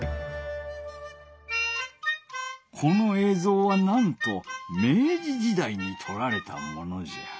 このえいぞうはなんと明治時代にとられたものじゃ。